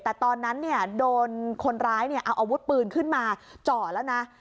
แต่ตอนนั้นโดนคนร้ายเอาอาวุธปืนขึ้นมาเจาะแล้วนะ